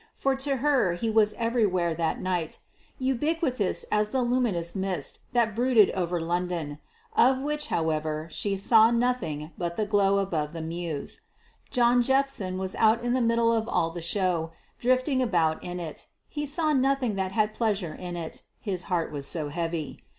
For to her he was everywhere that night ubiquitous as the luminous mist that brooded all over London of which, however, she saw nothing but the glow above the mews. John Jephson was out in the middle of all the show, drifting about in it: he saw nothing that had pleasure in it, his heart was so heavy.